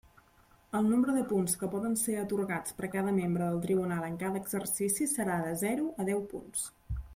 El nombre de punts que poden ser atorgats per cada membre del tribunal en cada exercici serà de zero a deu punts.